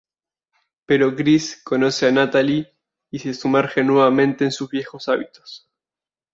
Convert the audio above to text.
Pero Chris conoce a Natalie y se sumerge nuevamente en sus viejos hábitos.